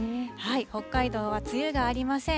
北海道は梅雨がありません。